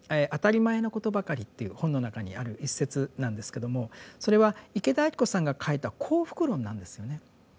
「あたりまえなことばかり」という本の中にある一節なんですけどもそれは池田晶子さんが書いた幸福論なんですよね。